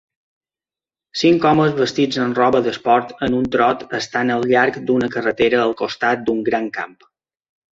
Cinc homes vestits amb roba d'esport en un trot estan al llarg d'una carretera al costat d'un gran camp